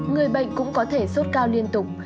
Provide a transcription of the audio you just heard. người bệnh cũng có thể sốt cao liên tục